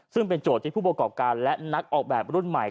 ซึ่งเป็นโจทย์ที่ผู้ประกอบการและนักออกแบบรุ่นใหม่